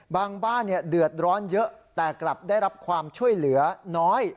บ้านเดือดร้อนเยอะแต่กลับได้รับความช่วยเหลือน้อย